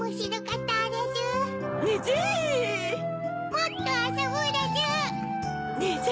もっとあそぶでちゅ。